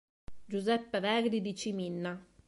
Giuseppe Verdi di Ciminna".